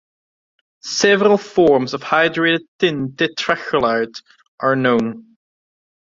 Several forms of hydrated tin tetrachloride are known.